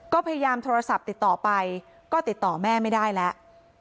ก็พยายามโทรศัพท์ติดต่อไปก็ติดต่อแม่ไม่ได้แล้ว